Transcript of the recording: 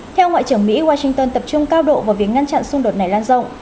theo ngoại trưởng mỹ washington tập trung cao độ vào việc ngăn chặn xung đột này lan rộng